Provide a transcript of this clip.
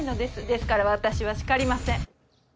ですから私は叱りません。